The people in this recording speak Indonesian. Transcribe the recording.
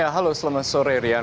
halo selamat sore rian